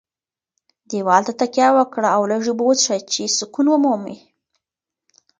دېوال ته تکیه وکړه او لږې اوبه وڅښه چې سکون ومومې.